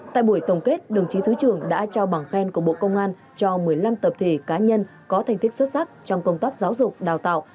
tại buổi tổng kết đồng chí thứ trưởng đã trao bằng khen của bộ công an cho một mươi năm tập thể cá nhân có thành tích xuất sắc trong công tác giáo dục đào tạo